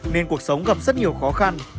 nên cuộc sống gặp rất nhiều khó khăn